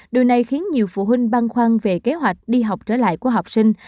điều này khiến nhiều phụ huynh băn khoăn về kế hoạch đi học trở lại của học sinh